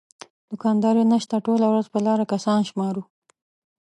دوکانداري نشته ټوله ورځ په لاره کسان شمارو.